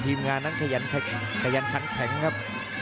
ทีมงานนั่นขยันขังแข็งครับ